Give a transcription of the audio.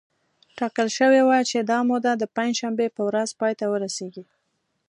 ټاکل شوې وه چې دا موده د پنجشنبې په ورځ پای ته ورسېږي